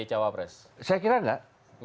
cawapres saya kira enggak